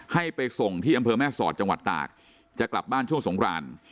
ให้ไปส่งที่อำเภอแม่สอดจังหวัดตากจะกลับบ้านช่วงสงคราน